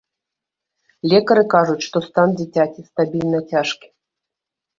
Лекары кажуць, што стан дзіцяці стабільна цяжкі.